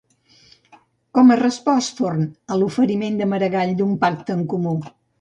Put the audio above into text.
Com ha respost Forn a l'oferiment de Maragall d'un pacte en comú?